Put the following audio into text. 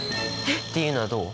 えっ！？っていうのはどう？